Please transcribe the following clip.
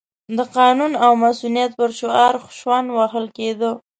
د قانون او مصونیت پر شعار شخوند وهل کېده.